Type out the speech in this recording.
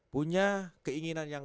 punya keinginan yang